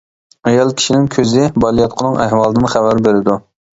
ئايال كىشىنىڭ كۆزى بالىياتقۇنىڭ ئەھۋالىدىن خەۋەر بېرىدۇ.